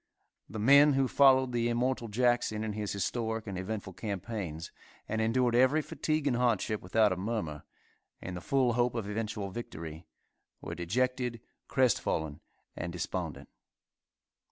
The men who followed the immortal Jackson in his historic and eventful campaigns, and endured every fatigue and hardship without a murmur, in the full hope of eventual victory, were dejected, crestfallen and despondent.